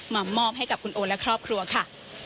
มอบให้กับคุณโอและครอบครัวค่ะ